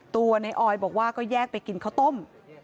ตัวในออยบอกว่าก็แยกไปกินข้าวต้ม